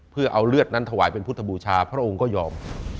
เพื่อเอาเลือดนั้นถวายเป็นพุทธบูชาพระองค์ก็ยอม